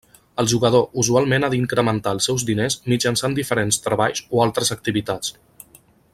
El jugador usualment ha d'incrementar els seus diners mitjançant diferents treballs o altres activitats.